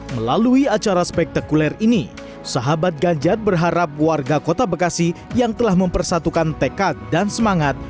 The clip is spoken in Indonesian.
melalui acara spektakuler ini sahabat ganjar berharap warga kota bekasi yang telah mempersatukan tekad dan semangat